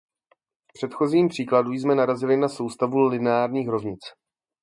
V předchozím příkladu jsme narazili na soustavu lineárních rovnic.